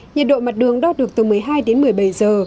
nhiệt độ mặt đường đo được từ một mươi hai đến một mươi bảy giờ